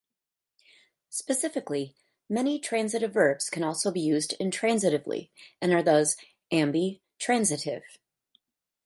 Specifically, many transitive verbs can also be used intransitively, and are thus ambitransitive.